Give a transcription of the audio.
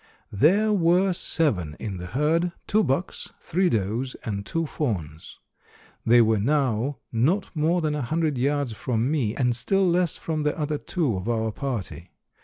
There were seven in the herd, two bucks, three does and two fawns. They were now not more than a hundred yards from me, and still less from the other two of our party.